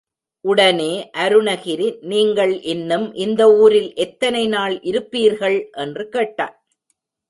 உடனே அருணகிரி, நீங்கள் இன்னும் இந்த ஊரில் எத்தனை நாள் இருப்பீர்கள்? என்று கேட்டான்.